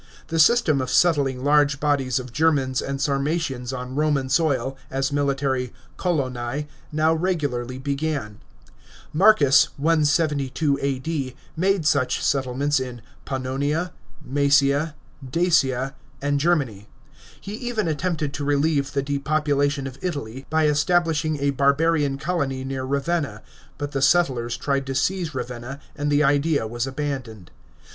The system of settling large bodies of Germans and Sarmatians on Roman soil as military coloni now regularly began. Marcus (172 A.D.) made such settlements in Pannonia, Mcesia, Dacia, and Germany. He even attempted to relieve the depopulation of Italy by establishing a barbarian colony near Ravenna, but the settlers tried to seize Ravenna, and the idea was abandoned.